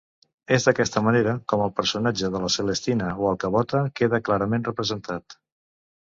És d'aquesta manera, com el personatge de La Celestina o alcavota queda clarament representat.